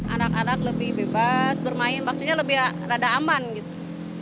anak anak lebih bebas bermain maksudnya lebih rada aman gitu